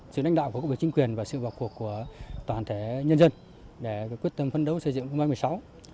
cũng như chính quyền và sự vào cuộc của toàn thể nhân dân để quyết tâm vận đấu xây dựng vùng kinh tế mới hai nghìn một mươi sáu